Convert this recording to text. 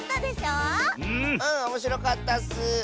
うんおもしろかったッス！